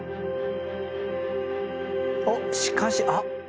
おっしかしあっ！